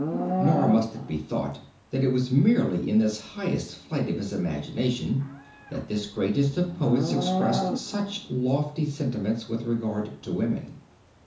Nor must it be thought that it was merely in this highest flight of his imagination that this greatest of poets expressed such lofty sentiments with regard to women.